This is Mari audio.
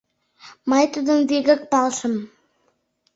Мый тудым вигак палышым.